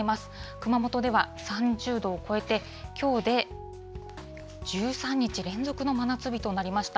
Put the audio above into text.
熊本では３０度を超えて、きょうで１３日連続の真夏日となりました。